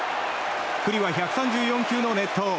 九里は１３４球の熱投。